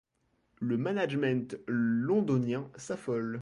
Le management londonien s'affole.